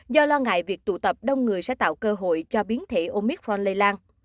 do lo ngại việc tụ tập đông người sẽ tạo cơ hội cho biến thể omicron lây lan